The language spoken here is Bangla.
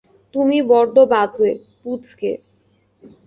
তুমি বড্ড বাজে, পুচকে।